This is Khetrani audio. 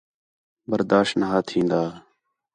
برداش نا ہا تِھین٘دا